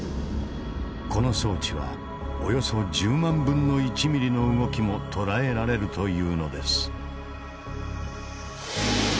この装置はおよそ１０万分の１ミリの動きも捉えられるというのです。